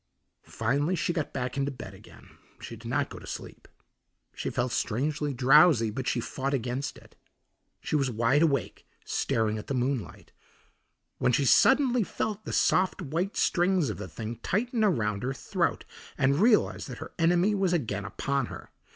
Finally she got back into bed again; she did not go to sleep. She felt strangely drowsy, but she fought against it. She was wide awake, staring at the moonlight, when she suddenly felt the soft white strings of the thing tighten around her throat and realized that her enemy was again upon her.